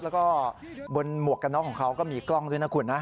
แล้วก็บนหมวกกันน็อกของเขาก็มีกล้องด้วยนะคุณนะ